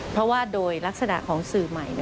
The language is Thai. เพราะว่าโดยลักษณะของสื่อใหม่